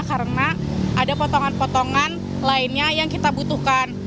karena ada potongan potongan lainnya yang kita butuhkan